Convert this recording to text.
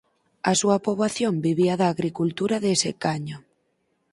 A súa poboación vivía da agricultura de secaño.